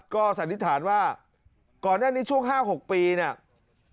ก็สันนิษฐานว่าก่อนหน้านี้ช่วง๕๖ปีเนี่ย